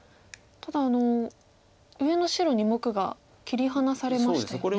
ただ上の白２目が切り離されましたよね。